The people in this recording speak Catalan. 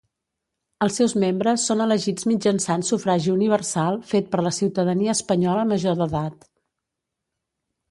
Els seus membres són elegits mitjançant sufragi universal fet per la ciutadania espanyola major d'edat.